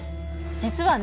実はね